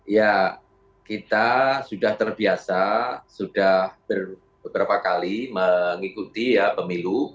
ya kita sudah terbiasa sudah beberapa kali mengikuti pemilu